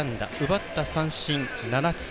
奪った三振７つ。